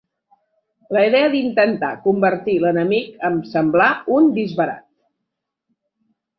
La idea d'intentar convertir l'enemic em semblà un disbarat